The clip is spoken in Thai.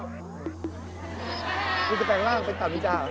กูจะแปลงร่างเป็นตามิจ้าหรอ